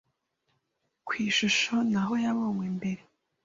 Ku ishusho ni aho yabonywe mbere